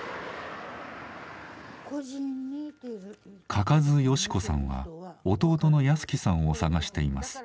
嘉数好子さんは弟の保喜さんを捜しています。